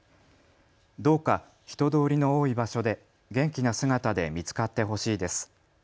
どうか人通りの多い場所で元気な姿で見つかってほしいです。